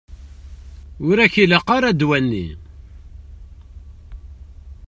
Ur ak-ilaq ara ddwa-nni.